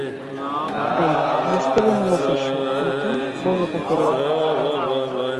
Ben, vostede non o fixo, entón vouno facer eu.